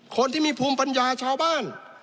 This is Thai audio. คนที่มีภูมิปัญญาชาวบ้าน